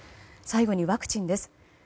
最後にワクチンです。